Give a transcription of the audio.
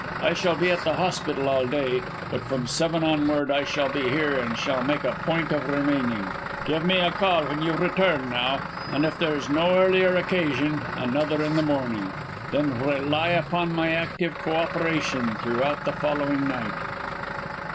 I shall be at the hospital all day, but from seven onward I shall be here and shall make a point of remaining. Give me a call when you return, now, and if there is no earlier occasion, another in the morning. Then rely upon my active co operation throughout the following night."